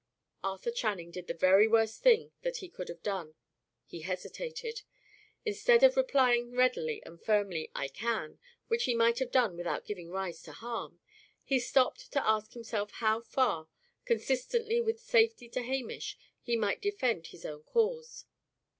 Arthur Channing did the very worst thing that he could have done he hesitated. Instead of replying readily and firmly "I can," which he might have done without giving rise to harm, he stopped to ask himself how far, consistently with safety to Hamish, he might defend his own cause.